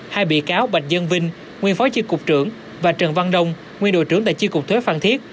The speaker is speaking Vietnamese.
hai bị cáo bạch dân vinh nguyên phó chiên cục trưởng và trần văn đông nguyên đội trưởng tại chiên cục thuế phan thiết